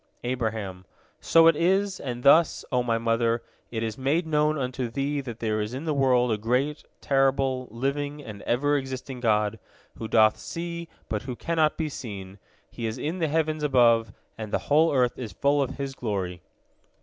" Abraham: "So it is, and thus, O my mother, it is made known unto thee that there is in the world a great, terrible, living, and ever existing God, who doth see, but who cannot be seen. He is in the heavens above, and the whole earth is full of His glory."